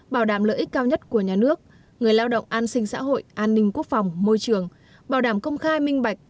bảo đảm lợi ích cao nhất của nhà nước người lao động an sinh xã hội an ninh quốc phòng môi trường bảo đảm công khai minh bạch